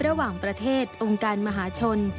ระหว่างประเทศองค์การมหาชน